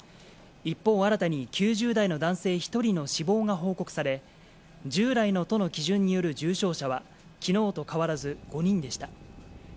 一方、新たに９０代の男性１人の死亡が報告され、従来の都の基準による重症者は、きのうと変わらず、５人でした。